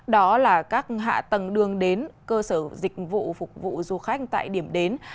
đó là các hạ tầng đường đến cơ sở dịch vụ phục vụ du khách tại điểm đến